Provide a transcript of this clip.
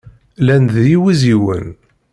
Llan-d d yiwiziwen.